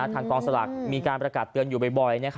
กองสลากมีการประกาศเตือนอยู่บ่อย